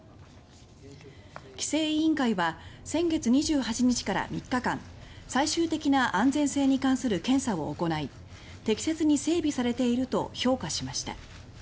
規制委員会は６月２８日から３日間最終的な安全性に関する検査を行い「適切に整備されている」と評価しました。